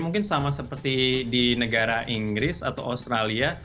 mungkin sama seperti di negara inggris atau australia